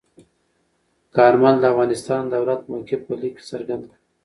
کارمل د افغانستان د دولت موقف په لیک کې څرګند کړ.